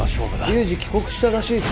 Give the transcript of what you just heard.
龍二帰国したらしいぞ。